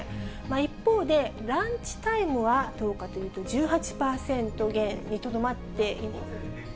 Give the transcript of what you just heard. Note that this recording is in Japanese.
一方で、ランチタイムはどうかというと、１８％減にとどまっている。